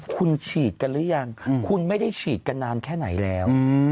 คุณฉีดกันหรือยังคุณไม่ได้ฉีดกันนานแค่ไหนแล้ว